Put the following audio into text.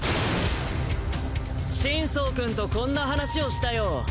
心操くんとこんな話をしたよ。